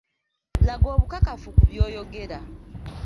Laga obukakafu ku by'oyogera.